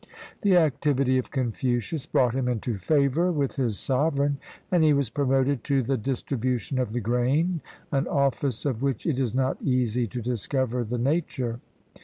The activity of Confucius brought him into favor with his sovereign, and he was promoted to the ''dis tribution of the grain," an office of which it is not easy to discover the nature.